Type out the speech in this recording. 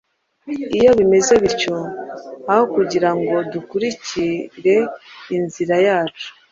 Iyo bimeze bityo, aho kugira ngo dukurikire inzira yacu